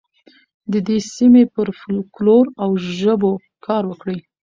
د دې سیمې پر فولکلور او ژبو کار وکړئ.